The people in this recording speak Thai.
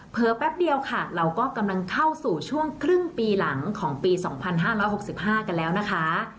เผลอแป๊บเดียวค่ะเราก็กำลังเข้าสู่ช่วงครึ่งปีหลังของปีสองพันห้าร้อยหกสิบห้ากันแล้วนะคะ